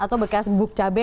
atau bekas bubuk cabe